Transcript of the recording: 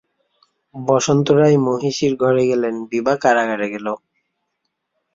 বসন্ত রায় মহিষীর ঘরে গেলেন, বিভা কারাগারে গেল।